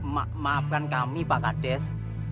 maafkan kami pak kades